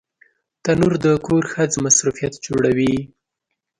تنور د کور ښځو مصروفیت جوړوي